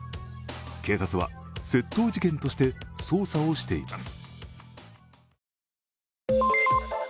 警察は窃盗事件として捜査をしています。